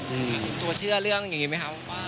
ตัวเชื่อเรื่องอย่างนี้ไหมครับว่า